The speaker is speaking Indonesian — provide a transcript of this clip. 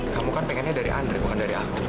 kamu kan pengennya dari andre bukan dari aku